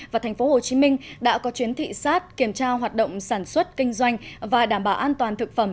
và tp hcm đã có chuyến thị sát kiểm tra hoạt động sản xuất kinh doanh và đảm bảo an toàn thực phẩm